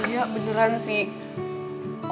gak beneran sih